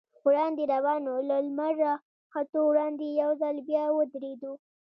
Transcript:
وړاندې روان و، له لمر راختو وړاندې یو ځل بیا ودرېدو.